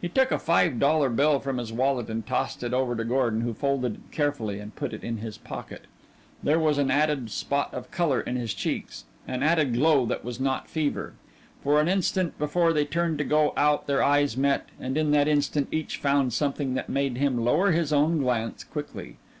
He took a five dollar bill from his wallet and tossed it over to Gordon, who folded it carefully and put it in his pocket. There was an added spot of color in his cheeks, an added glow that was not fever. For an instant before they turned to go out their eyes met and in that instant each found something that made him lower his own glance quickly.